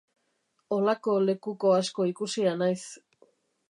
Holako lekuko asko ikusia naiz.